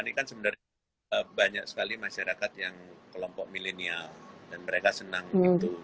ini kan sebenarnya banyak sekali masyarakat yang kelompok milenial dan mereka senang gitu